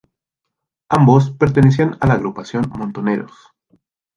Ambos pertenecían a la agrupación Montoneros.